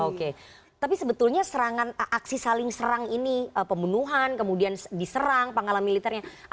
oke tapi sebetulnya serangan aksi saling serang ini pembunuhan kemudian diserang pangkalan militernya